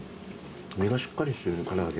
身がしっかりしてる唐揚げ。